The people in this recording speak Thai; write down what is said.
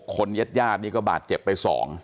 ๖คนเย็ดนี่ก็บาดเจ็บไป๒